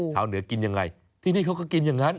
ชาวเหนือกินยังไงที่นี่เขาก็กินอย่างนั้น